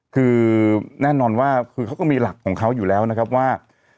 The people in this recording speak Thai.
คือแน่นอนว่าคือเขาก็มีหลักของเขาอยู่แล้วนะครับว่า